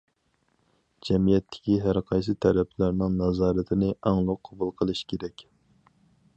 جەمئىيەتتىكى ھەرقايسى تەرەپلەرنىڭ نازارىتىنى ئاڭلىق قوبۇل قىلىش كېرەك.